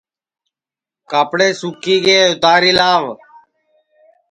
کاپڑے سُکی گے اُتاری لاو